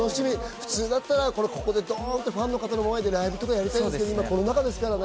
普通だったらここでドンとファンの方の前でライブとかをやりたいですけどコロナ禍ですからね。